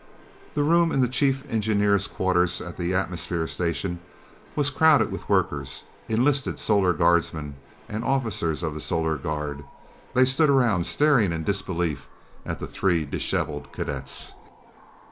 The room in the chief engineer's quarters at the atmosphere station was crowded with workers, enlisted Solar Guardsmen and officers of the Solar Guard. They stood around staring in disbelief at the three disheveled cadets.